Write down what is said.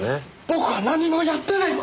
僕は何もやってない！